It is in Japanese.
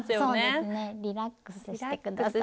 リラックスして下さい。